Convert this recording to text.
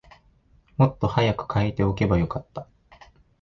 もっと早く替えておけばよかった